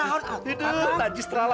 aduh kakak tajis terlala